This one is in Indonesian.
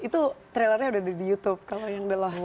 itu trailernya udah ada di youtube kalo yang the lost soul